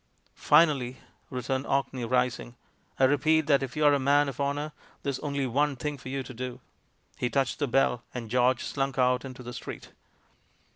"Finally," returned Orkney, rising, "I repeat that if you're a man of honour, there's only one thing for you to do." He touched the bell, and George slunk out into the street.